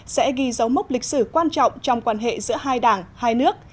sẽ ghi dấu mốc lịch sử quan trọng trong quan hệ giữa hai đảng hai nước